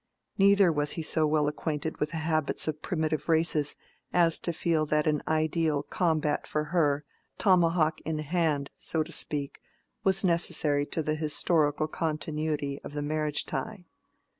Neither was he so well acquainted with the habits of primitive races as to feel that an ideal combat for her, tomahawk in hand, so to speak, was necessary to the historical continuity of the marriage tie.